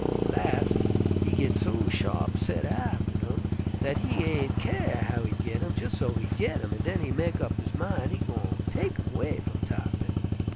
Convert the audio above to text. Las' he git so sharp set atter 'em dat he ain' kyare how he git 'em, jes' so he git 'em, an' den he mek up his min' he gwine tek 'em 'way f'um Tarr'pin.